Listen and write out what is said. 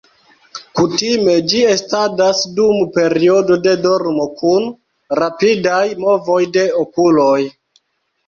Kutime ĝi estadas dum periodo de dormo kun rapidaj movoj de okuloj.